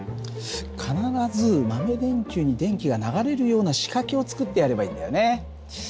必ず豆電球に電気が流れるような仕掛けを作ってやればいいんだよね。